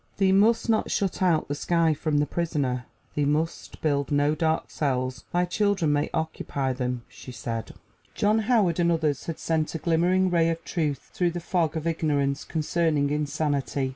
"Thee must not shut out the sky from the prisoner; thee must build no dark cells thy children may occupy them," she said. John Howard and others had sent a glimmering ray of truth through the fog of ignorance concerning insanity.